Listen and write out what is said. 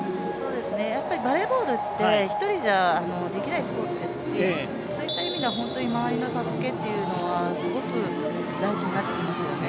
やはりバレーボールって１人じゃできないスポーツですしそういった意味で本当に周りの助けというのはすごく大事になってきますよね。